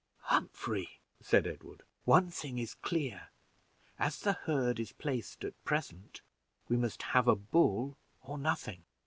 "Humphrey," said Edward, "one thing is clear as the herd is placed at present, we must have a bull or nothing.